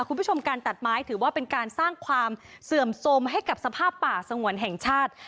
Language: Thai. คุณผู้ชมการตัดไม้ถือว่าเป็นการสร้างความเสื่อมสมให้กับสภาพป่าสงวนแห่งชาติ